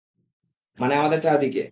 মানে, আমাদের চারদিকে।